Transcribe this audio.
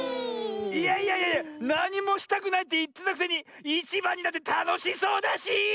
いやいやいやなにもしたくないっていってたくせにいちばんになってたのしそうだし！